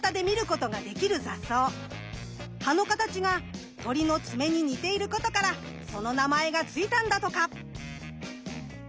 葉の形が鳥の爪に似ていることからその名前がついたんだとか。